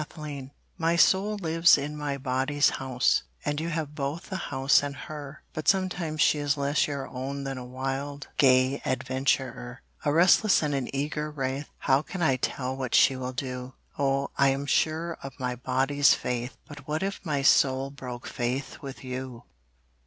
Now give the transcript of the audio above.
Doubt My soul lives in my body's house, And you have both the house and her But sometimes she is less your own Than a wild, gay adventurer; A restless and an eager wraith, How can I tell what she will do Oh, I am sure of my body's faith, But what if my soul broke faith with you?